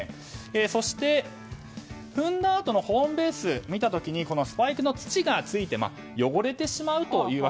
そして、踏んだあとのホームベースを見た時にスパイクの土がついて汚れてしまうという。